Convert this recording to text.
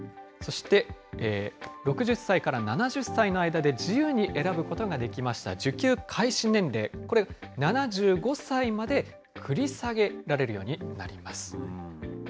そして６０歳から７０歳の間で自由に選ぶことができました受給開始年齢、これ７５歳まで繰り下げられるようになります。